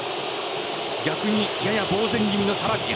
逆に、やや呆然気味のサラビア。